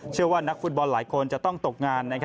เชื่อว่านักฟุตบอลหลายคนจะต้องตกงาน